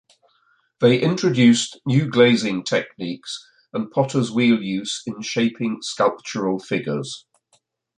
They introduced new glazing techniques and potter's wheel use in shaping sculptural figures.